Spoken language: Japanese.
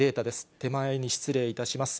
手前に失礼いたします。